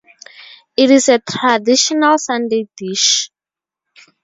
It is a traditional Sunday dish.